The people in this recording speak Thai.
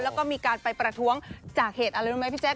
แล้วก็มีการไปประท้วงจากเหตุอะไรรู้ไหมพี่แจ๊